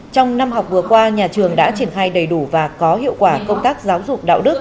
trong năm học vừa qua nhà trường đã triển khai đầy đủ và có hiệu quả công tác giáo dục đạo đức